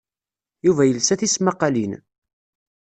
Yuba yelsa tismaqqalin.